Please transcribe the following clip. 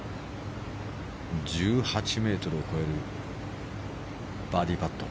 １８ｍを超えるバーディーパット。